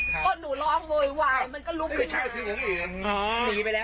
หนูก็เดินมาหนูจะดึงมันไว้มันก็วิ่งไปเลย